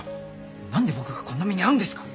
なんで僕がこんな目に遭うんですか！